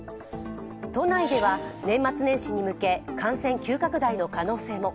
都内では年末年始に向け感染急拡大の可能性も。